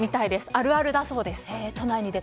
あるあるだそうです。